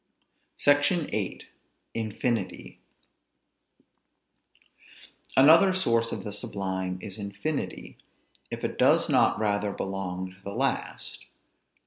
SECTION VIII. INFINITY. Another source of the sublime is infinity; if it does not rather belong to the last.